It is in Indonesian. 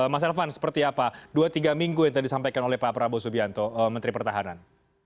mas elvan seperti apa dua tiga minggu yang tadi disampaikan oleh pak prabowo subianto menteri pertahanan